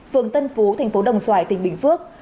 phường tân phú tp đồng xoài tỉnh bình phước